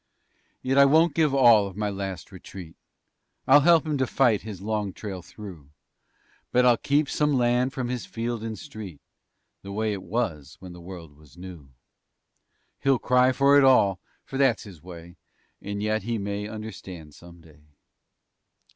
"Yet I won't give all of my last retreat; I'll help him to fight his long trail through, But I'll keep some land from his field and street The way that it was when the world was new. He'll cry for it all, for that's his way, And yet he may understand some day."